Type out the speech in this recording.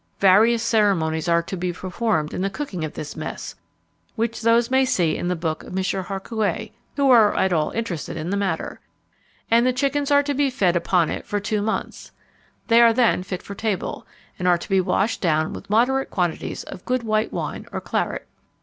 Various ceremonies are to be performed in the cooking of this mess, which those may see in the book of M. Harcouet who are at all interested in the matter; and the chickens are to be fed upon it for two months. They are then fit for table, and are to be washed down with moderate quantities of good white wine or claret.